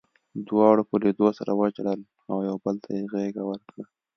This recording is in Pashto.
دواړو په لیدو سره وژړل او یو بل ته یې غېږه ورکړه